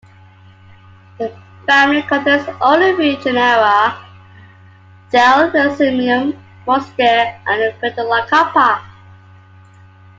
The family contains only three genera: "Gelsemium", "Mostuea" and "Pteleocarpa".